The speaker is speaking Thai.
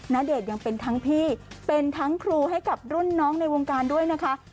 ณเดชน์ยังเป็นทั้งพี่เป็นทั้งครูให้กับรุ่นน้องในวงการด้วยนะคะ